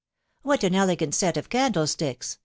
What an elegant set of candlesticks